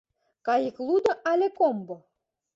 Кайыклудо але комбо?